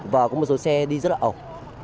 và có một số xe đi rất là ổng